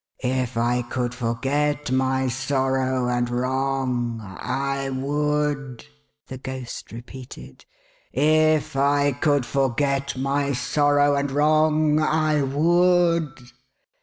"If I could forget my sorrow and wrong, I would," the Ghost repeated. " If I could forget my sorrow and wrong, I would